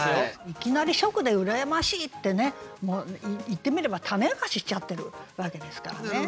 いきなり初句で「羨ましい」ってね言ってみれば種明かししちゃってるわけですからね。